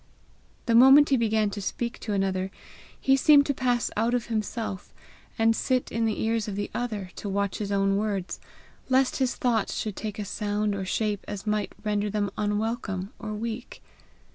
The moment he began to speak to another, he seemed to pass out of himself, and sit in the ears of the other to watch his own words, lest his thoughts should take such sound or shape as might render them unwelcome or weak.